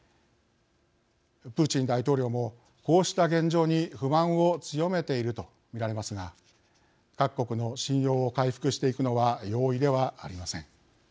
プーチン大統領もこうした現状に不満を強めていると見られますが各国の信用を回復していくのは容易ではありません。